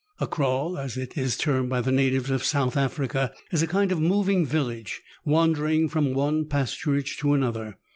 A kraal, as it is termed by the natives of South Africa, is a kind of moving village, wandering from one pasturage to another.